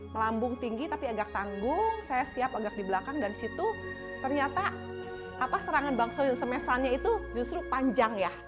melambung tinggi tapi agak tanggung saya siap agak di belakang dan disitu ternyata serangan bang soyun semesannya itu justru panjang ya